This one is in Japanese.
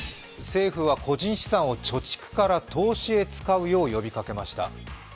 政府は個人資産を貯蓄から投資へ使うよう呼びかけました。